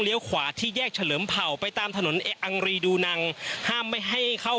ขวาที่แยกเฉลิมเผ่าไปตามถนนอังรีดูนังห้ามไม่ให้เข้า